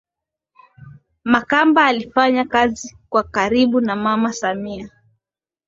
Makamba alifanya kazi kwa karibu na mama Samia